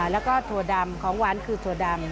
แล้วก็ถั่วดำของหวานคือถั่วดำ